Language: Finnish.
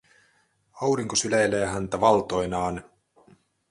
Aurinko syleilee häntä valtoinaan.